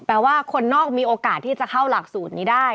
ว่าคนนอกมีโอกาสที่จะเข้าหลักสูตรนี้ได้